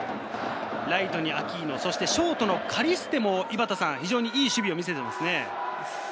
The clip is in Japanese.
ライトはアキーノ、ショートのカリステもいい守備を見せていますよね。